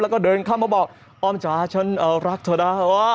แล้วก็เดินเข้ามาบอกอ้อมจ๋าฉันรักเธอได้วะ